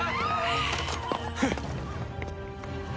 フッ。